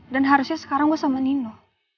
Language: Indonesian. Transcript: dan harusnya sekarang gue sama nino